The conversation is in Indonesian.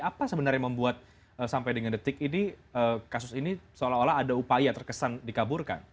apa sebenarnya membuat sampai dengan detik ini kasus ini seolah olah ada upaya terkesan dikaburkan